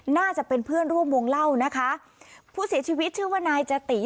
น่าจะเป็นเพื่อนร่วมวงเล่านะคะผู้เสียชีวิตชื่อว่านายจติ